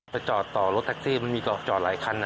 จอดต่อรถแท็กซี่มันมีจอดหลายคัน